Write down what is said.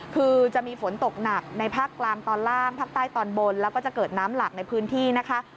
คือจะมีฝนตกหนักในภาคกลางตอนล่างภาคใต้ตอนบนแล้วก็จะเกิดน้ำหลักในพื้นที่นะคะ